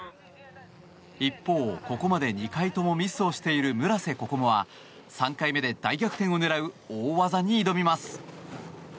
一方、ここまで２回ともミスをしている村瀬心椛は３回目で大逆転を狙う大技に挑みます。